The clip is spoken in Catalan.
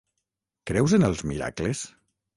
Creus en els miracles?